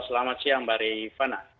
selamat siang mbak rifana